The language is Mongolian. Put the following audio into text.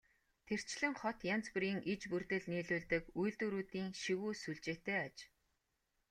Тэрчлэн хот янз бүрийн иж бүрдэл нийлүүлдэг үйлдвэрүүдийн шигүү сүлжээтэй аж.